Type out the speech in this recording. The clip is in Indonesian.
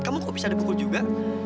kamu kok bisa dipukul juga